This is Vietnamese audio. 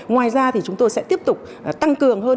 ngoài ra thì chúng tôi sẽ tiếp tục tăng cường hơn